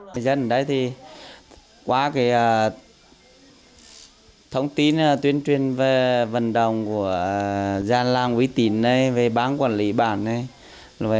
người dân ở đây thì qua cái thông tin tuyên truyền về vận động của già làng uy tín này về bán quản lý bản này